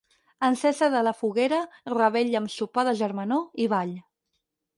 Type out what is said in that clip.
Encesa de la foguera, revetlla amb sopar de germanor i ball.